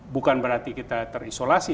bukan berarti kita terisolasi